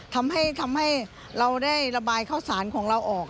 ทำให้เราได้ระบายข้าวสารของเราออก